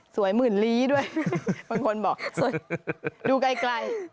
สวยหมื่นลีด้วยบางคนบอกดูไกล